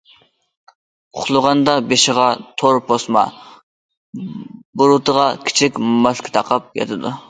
ئۇخلىغاندا بېشىغا تور پوسما، بۇرۇتىغا كىچىك ماسكا تاقاپ ياتىدۇ.